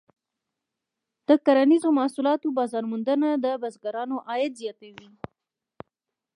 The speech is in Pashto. د کرنیزو محصولاتو بازار موندنه د بزګرانو عاید زیاتوي.